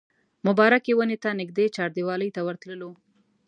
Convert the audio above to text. مبارکې ونې ته نږدې چاردیوالۍ ته ورتللو.